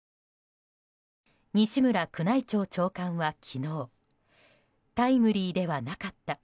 西村宮内庁長官は昨日タイムリーではなかった。